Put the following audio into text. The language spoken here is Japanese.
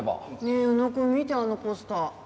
ねえ浮野くん見てあのポスター。